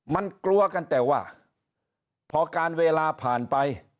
มันกลัวกันแต่ว่าพอการเวลาผ่านไป